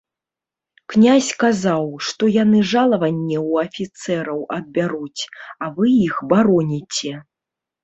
Князь казаў, што яны жалаванне ў афіцэраў адбяруць, а вы іх бароніце.